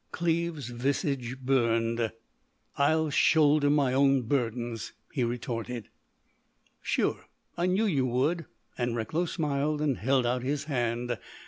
Cleve's visage burned. "I'll shoulder my own burdens," he retorted. "Sure. I knew you would." And Recklow smiled and held out his hand.